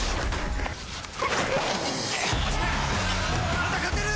まだ勝てる！